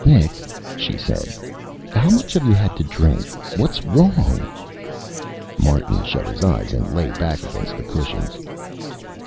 "Nick," she said, "How much have you had to drink? What's wrong?" Martin shut his eyes and lay back against the cushions.